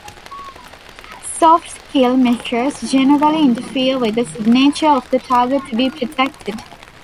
Soft-kill measures generally interfere with the signature of the target to be protected.